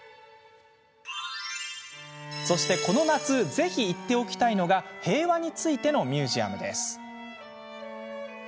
そして、この夏ぜひ行っておきたいのが平和についてのミュージアム。